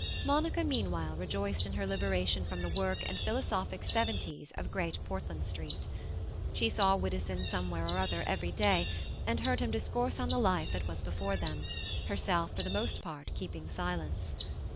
Monica meanwhile rejoiced in her liberation from the work and philosophic severities of Great Portland Street. She saw Widdowson somewhere or other every day, and heard him discourse on the life that was before them, herself for the most part keeping silence.